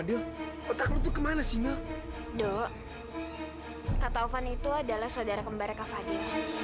do kak taufan itu adalah saudara kembar kak fadil